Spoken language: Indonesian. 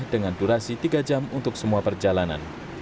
dengan durasi tiga jam untuk semua perjalanan